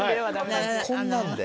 こんなんで？